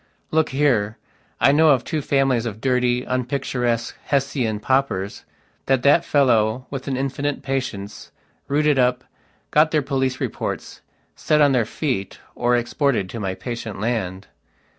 Look here, I know of two families of dirty, unpicturesque, Hessian paupers that that fellow, with an infinite patience, rooted up, got their police reports, set on their feet, or exported to my patient land.